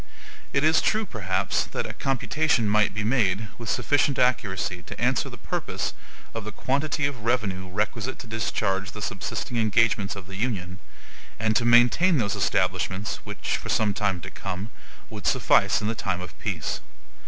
It is true, perhaps, that a computation might be made with sufficient accuracy to answer the purpose of the quantity of revenue requisite to discharge the subsisting engagements of the Union, and to maintain those establishments which, for some time to come, would suffice in time of peace.